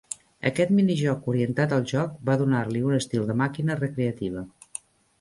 Aquest minijoc orientat al joc va donar-li un estil de màquina recreativa.